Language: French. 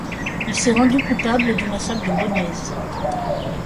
Il s'est rendu coupable du massacre de Baugnez.